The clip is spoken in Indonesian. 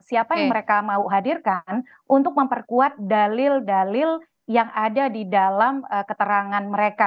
siapa yang mereka mau hadirkan untuk memperkuat dalil dalil yang ada di dalam keterangan mereka